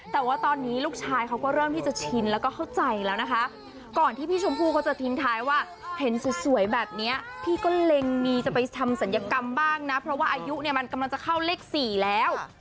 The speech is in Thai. แต่ว่าตอนนี้ลูกชายเขาก็เริ่มที่จะชินแล้วก็เข้าใจแล้วนะคะก่อนที่พี่ชมพู่เขาจะทิ้งท้ายว่าเห็นสวยแบบนี้พี่ก็เล็งมีจะไปทำศัลยกรรมบ้างนะเพราะว่าอายุเนี่ยมันกำลังจะเข้าเลข๔แล้ว